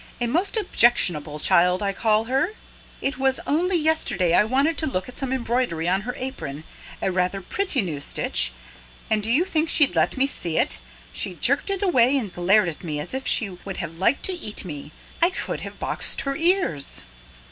A most objectionable child, I call her. It was only yesterday I wanted to look at some embroidery on her apron a rather pretty new stitch and do you think she'd let me see it? She jerked it away and glared at me as if she would have liked to eat me. I could have boxed her ears."